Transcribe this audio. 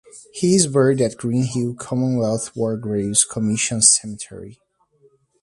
He is buried at Green Hill Commonwealth War Graves Commission Cemetery.